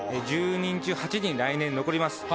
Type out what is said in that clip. １０人中８人、来年残ります。